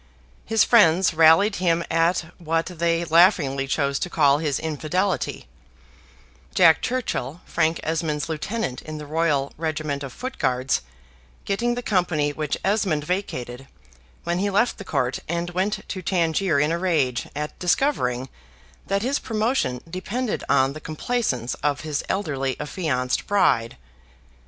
His friends rallied him at what they laughingly chose to call his infidelity; Jack Churchill, Frank Esmond's lieutenant in the Royal Regiment of Foot guards, getting the company which Esmond vacated, when he left the Court and went to Tangier in a rage at discovering that his promotion depended on the complaisance of his elderly affianced bride.